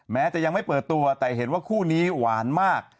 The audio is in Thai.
แม้จะยังไม่เปิดตัวแต่เห็นว่าคู่นี้หวานมาก